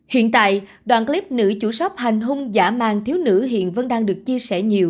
hiện tại đoạn clip nữ chủ shop hành hung giả mang thiếu nữ hiện vẫn đang được chia sẻ nhiều